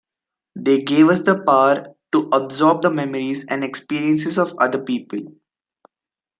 They gave us the power to absorb the memories and experiences of other people.